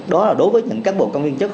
đó là đối với những các bộ công viên chất